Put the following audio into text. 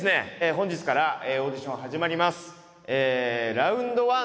本日からオーディション始まります。